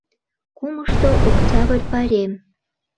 Кумышто Октябрь пайрем.